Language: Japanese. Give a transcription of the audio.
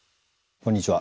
こんにちは。